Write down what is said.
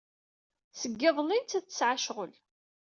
Seg iḍelli nettat tesɛa ccɣel.